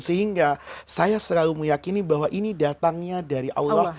sehingga saya selalu meyakini bahwa ini datangnya dari allah